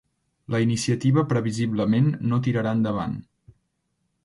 La iniciativa previsiblement no tirarà endavant.